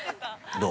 ◆どう？